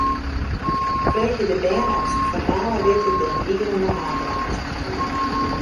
Freegje de bern oft se ferhalen witte dêr't dieren de haadrol yn spylje.